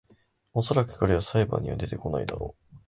おそらく彼は裁判には出てこないだろ